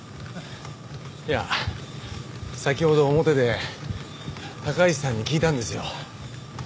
いや先ほど表で高石さんに聞いたんですよ。